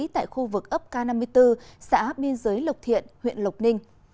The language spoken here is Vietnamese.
tại khu vực ấp k năm mươi bốn xã biên giới lộc thiện huyện lộc ninh